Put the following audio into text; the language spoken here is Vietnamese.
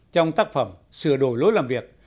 trong tác phẩm sửa đổi lối làm việc